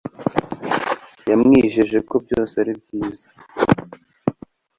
yamwijeje ko byose ari byiza